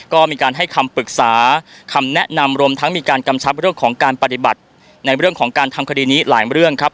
ก็มีการให้คำปรึกษาคำแนะนำรวมทั้งมีการกำชับเรื่องของการปฏิบัติในเรื่องของการทำคดีนี้หลายเรื่องครับ